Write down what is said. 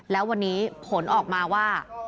แล้ววันนี้ผลออกมาว่า